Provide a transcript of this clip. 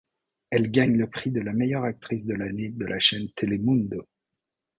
Elle gagne le prix de la meilleure actrice de l'année de la chaîne Telemundo.